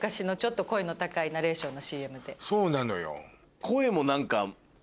そうなのよ。